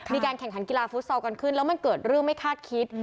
มีการแข่งขันกีฬาฟุตซอลกันขึ้นแล้วมันเกิดเรื่องไม่คาดคิด